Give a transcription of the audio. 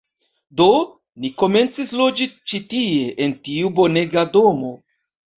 Do, ni komencis loĝi ĉi tie, en tiu bonega domo.